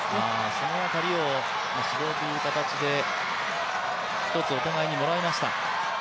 その辺りを指導という形で一つお互いにもらいました。